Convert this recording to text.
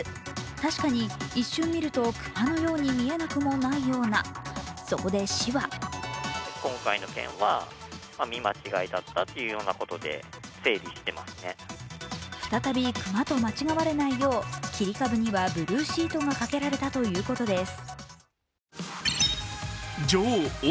確かに一瞬見ると熊のように見えなくもないようなそこで市は再び熊と間違われないよう切り株にはブルーシートがかけられたということです。